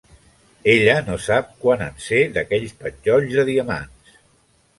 Ella no sap quant en sé d'aquells penjolls de diamants.